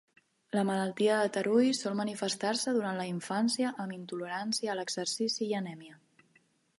La malaltia de Tarui sol manifestar-se durant la infància amb intolerància a l'exercici i anèmia.